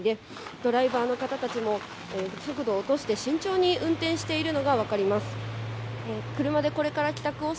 ドライバーの方たちも、速度を落として慎重に運転しているのが分かります。